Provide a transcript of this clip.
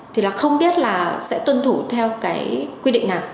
thì là không biết là sẽ tuân thủ theo cái quy định nào